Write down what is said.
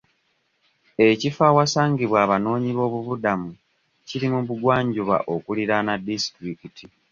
Ekifo awasangibwa abanoonyiboobubudamu kiri mu bugwanjuba okuliraana disitulikiti.